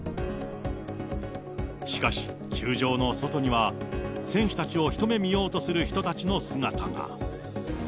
しかし、球場の外には、選手たちを一目見ようとする人たちの姿が。